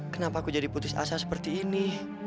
kenapa aku jadi putus asa seperti ini